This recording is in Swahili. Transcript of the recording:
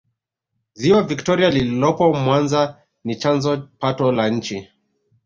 ziwa victoria lililopo mwanza ni chanzo pato la nchi